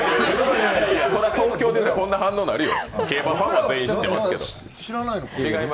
東京ではそんな反応になるよ。